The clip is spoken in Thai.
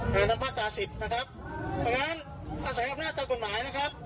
การทำภาษาสิทธิ์นะครับดังนั้นอาศัยอัพนาศาสตร์กฎหมายนะครับ